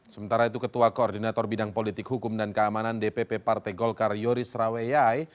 sementara itu ketua koordinator bidang politik hukum dan keamanan dpp partai golkar yoris raweyai